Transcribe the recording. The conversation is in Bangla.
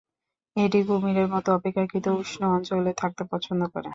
এটি কুমিরের মত অপেক্ষাকৃত উষ্ণ অঞ্চলে থাকতে পছন্দ করে।